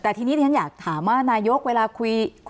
แต่ทีนี้เรียนอยากถามว่านายกเวลาคุย